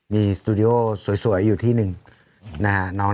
มีสตูดิโอสวยอยู่ที่นึง